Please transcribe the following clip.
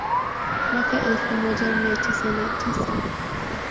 Mwaka elfu moja mia tisa na tisa